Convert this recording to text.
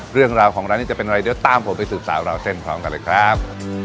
เรื่องราวของร้านนี้จะเป็นอะไรเดี๋ยวตามผมไปสืบสาวราวเส้นพร้อมกันเลยครับ